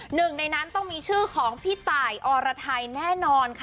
หนึ่งในนั้นต้องมีชื่อของพี่ตายอรไทยแน่นอนค่ะ